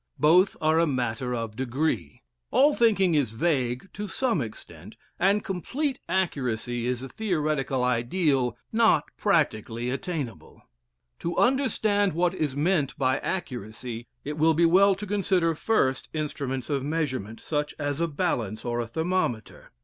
Both are a matter of degree. All thinking is vague to some extent, and complete accuracy is a theoretical ideal not practically attainable. To understand what is meant by accuracy, it will be well to consider first instruments of measurement, such as a balance or a thermometer.